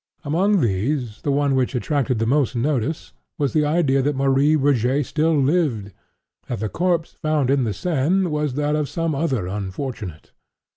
Among these, the one which attracted the most notice, was the idea that Marie Rogêt still lived—that the corpse found in the Seine was that of some other unfortunate.